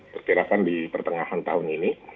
kira kira kan di pertengahan tahun ini